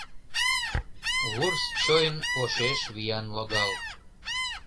Вурс-чойн ошеш виян логал: